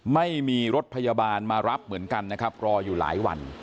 ไม่มีรถพยาบาลมารับเหมือนกันนะครับรออยู่หลายวัน